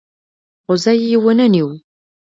خو ځای یې ونه نیو.